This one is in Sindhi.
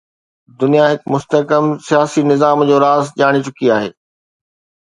دنيا هڪ مستحڪم سياسي نظام جو راز ڄاڻي چڪي آهي.